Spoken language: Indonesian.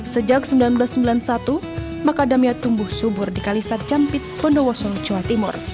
sejak seribu sembilan ratus sembilan puluh satu macadamia tumbuh subur di kalisat campit bondowoso jawa timur